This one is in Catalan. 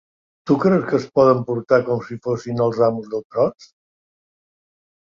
Tu creus que es poden comportar com si fossin els amos del tros?